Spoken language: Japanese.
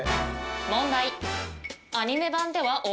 問題。